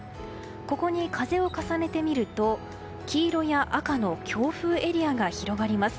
ここに風を重ねてみると黄色や赤の強風エリアが広がります。